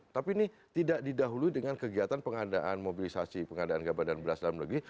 tapi ini tidak didahului dengan kegiatan pengadaan mobilisasi pengadaan gabah dan beras dalam negeri